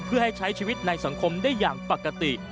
เพื่อให้ใช้ชีวิตในสังคมได้อย่างปกติ